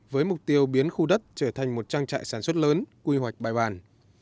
với mục tiêu biến khu đất trở thành một trang trại sản xuất lớn quy hoạch bài bàn